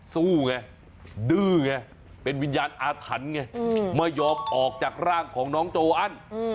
ไงดื้อไงเป็นวิญญาณอาถรรพ์ไงไม่ยอมออกจากร่างของน้องโจอัน